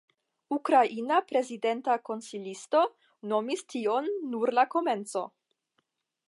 Ukraina Prezidenta konsilisto nomis tion ""nur la komenco"".